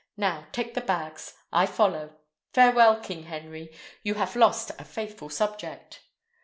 Now, take the bags. I follow. Farewell, King Henry! you have lost a faithful subject!"